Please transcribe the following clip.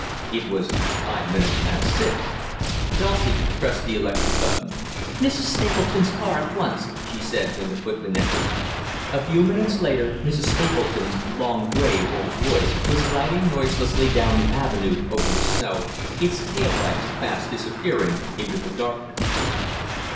It was five minutes past six. Dulcie pressed the electric button. "Mrs. Stapleton's car at once," she said, when the footman entered. A few minutes later Mrs. Stapleton's long grey Rolls Royce was gliding noiselessly down the avenue, over the snow, its tail lights fast disappearing into the darkness.